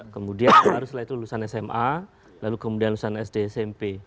kemudian baru setelah itu lulusan sma lalu kemudian lulusan sd smp